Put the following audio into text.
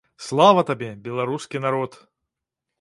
Слава табе, беларускі народ!